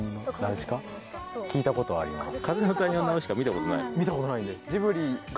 聞いたことはあります。